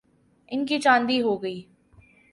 ان کی چاندی ہو گئی۔